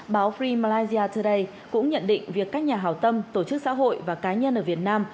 báo free malaysia today cũng nhận định việc các nhà hào tâm tổ chức xã hội và cá nhân ở việt nam